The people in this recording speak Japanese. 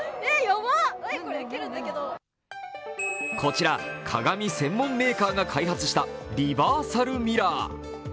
こちら鏡専門メーカーが開発したリバーサルミラー。